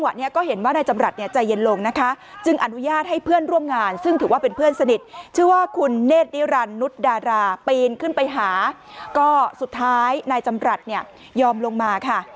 ปีนขึ้นไปหาก็สุดท้ายนายจำรัฐยอมลงมาค่ะ